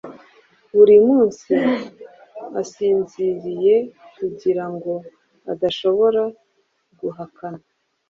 buri munsi asinziriyekugirango adashobora guhakana